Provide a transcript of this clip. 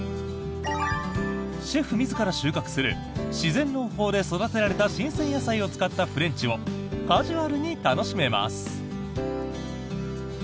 シェフ自ら収穫する自然農法で育てられた新鮮野菜を使ったフレンチをカジュアルに楽しめます。